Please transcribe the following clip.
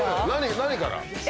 何から？